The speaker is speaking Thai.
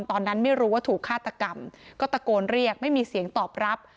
ตอนนั้นไม่รู้ว่าถูกฆาตกรรมก็ตะโกนเรียกไม่มีเสียงตอบรับ